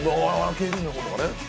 警備員の方とかね。